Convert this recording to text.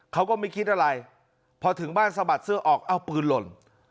เขาก็ไม่คิดอะไรพอถึงบ้านสะบัดเสื้อออกเอาปืนหล่น